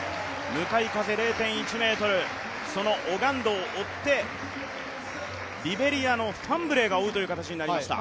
向かい風０．１メートルそのオガンドを追ってリベリアのファンブレーが追うという形になりました。